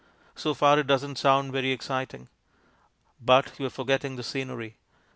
So far it doesn't sound very exciting. But you are forgetting the scenery.